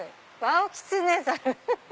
ワオキツネザル。